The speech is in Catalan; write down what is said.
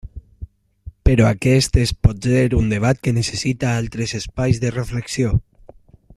Però aquest és potser un debat que necessita altres espais de reflexió.